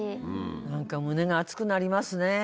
何か胸が熱くなりますね。